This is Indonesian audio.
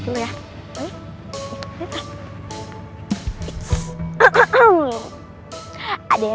ntar lo juga tau